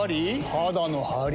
肌のハリ？